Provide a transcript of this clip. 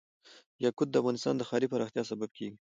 یاقوت د افغانستان د ښاري پراختیا سبب کېږي.